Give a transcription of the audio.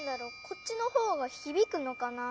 こっちの方がひびくのかな？